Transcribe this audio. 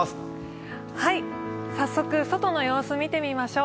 早速、外の様子を見てみましょう。